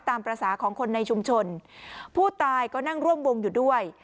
ตามภาษาของคนในชุมชนผู้ตายก็นั่งร่วมวงอยู่ด้วย